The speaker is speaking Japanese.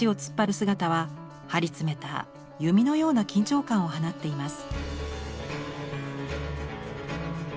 姿は張り詰めた弓のような緊張感を放っています。